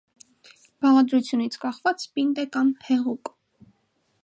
Բաղադրությունից կախված պինդ է կամ հեղուկ։